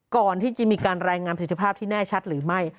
ก่อนที่จะมีการรายงานสิทธิภาพที่แน่ชัดหรือไม่